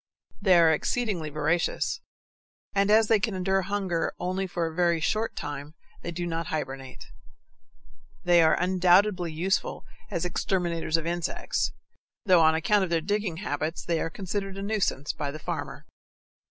They are exceedingly voracious, and as they can endure hunger only for a very short time, they do not hibernate. They are undoubtedly useful as exterminators of insects, though on account of their digging habits they are considered a nuisance by the farmer.